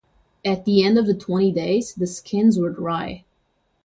At the end of the twenty days the skins were dry.